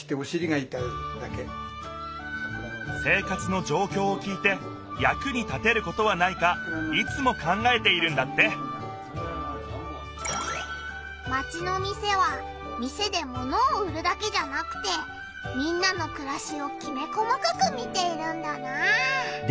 生活のじょうきょうを聞いてやくに立てることはないかいつも考えているんだってマチの店は店で物を売るだけじゃなくてみんなのくらしをきめ細かく見ているんだなあ。